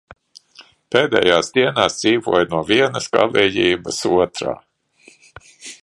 Pēdējās dienās dzīvoju no vienas galējības otrā.